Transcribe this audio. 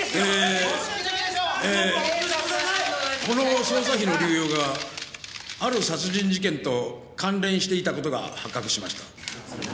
この捜査費の流用がある殺人事件と関連していた事が発覚しました。